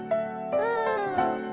うん。